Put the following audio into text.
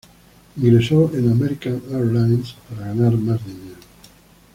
Ingresó en American Airlines, para ganar más dinero.